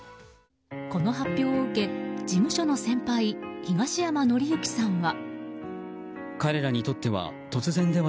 この発表を受け事務所の先輩、東山紀之さんは。